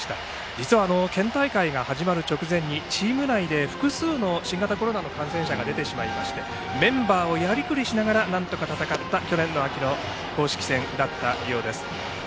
実は県大会が始まる直前にチーム内で複数の新型コロナの感染者が出てしまいましてメンバーをやりくりしながらなんとか戦った去年秋の公式戦だったようです。